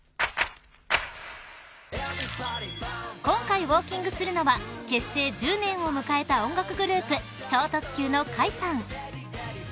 ［今回ウオーキングするのは結成１０年を迎えた音楽グループ超特急のカイさん］